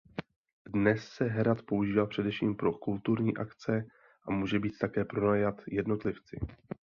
Dnes se hrad používá především pro kulturní akce a může být také pronajat jednotlivci.